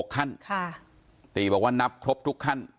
ขั้นตีบอกว่านับครบทุกขั้น